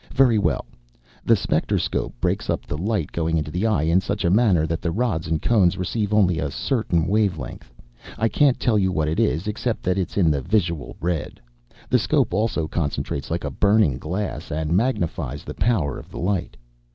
Very well. This specterscope breaks up the light going into the eye in such a manner that the rods and cones receive only a certain wavelength. I can't tell you what it is, except that it's in the visual red. The scope also concentrates like a burning glass and magnifies the power of the light.